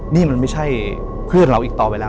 นี่มันไม่ใช่เพื่อนเราอีกต่อไปแล้ว